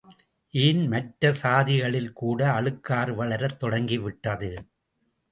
ஏன் மற்ற சாதிகளில் கூட அழுக்காறு வளரத் தொடங்கிவிட்டது?